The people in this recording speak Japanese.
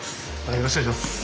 よろしくお願いします。